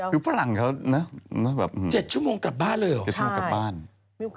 อยู่ฝรั่งเขานะ๗ชั่วโมงกลับบ้านเลยเหรอ